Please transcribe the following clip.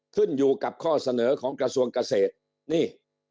ขึ้นอยู่กับข้อเสนอของกระทรวงเกษตรนี่